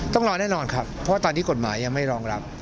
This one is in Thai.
ต้องรอแน่นอนครับเพราะว่าตอนนี้กฎหมายยังไม่รองรับ